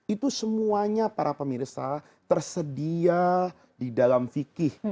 itu semuanya para pemirsa tersedia di dalam fikih